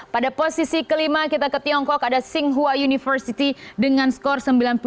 pada posisi kelima kita ke tiongkok ada singhua university dengan skor sembilan puluh tujuh